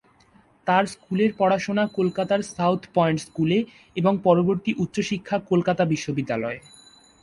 তার স্কুলের পড়াশোনা কলকাতার সাউথ পয়েন্ট স্কুলে এবং পরবর্তী উচ্চশিক্ষা কলকাতা বিশ্ববিদ্যালয়ে।